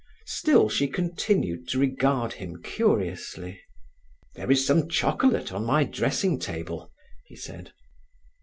Still she continued to regard him curiously. "There is some chocolate on my dressing table," he said.